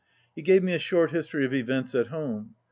He gave me a short history of events at home.